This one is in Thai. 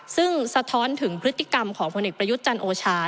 ซึ่งสะท้อนถึงพฤติกรรมของผลเอกประยุทธ์จันทร์โอชา